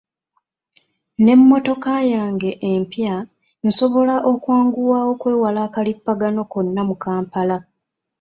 N'emmotoka yange empya, nsobola okwanguwa okwewala akalipagano konna mu Kampala.